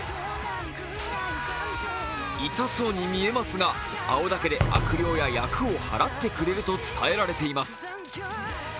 痛そうに見えますが青竹で悪霊や厄をはらってくれると伝えられています。